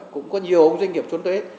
cũng có nhiều doanh nghiệp trốn thuế